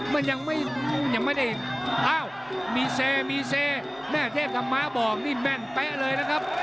มันยังไม่ได้อ้าวมีเซมีเซแม่เทพธรรมะบอกนี่แม่นเป๊ะเลยนะครับ